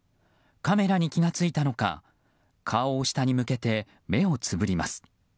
カメラに気が付いたのか顔を下に向けて目をつぶります。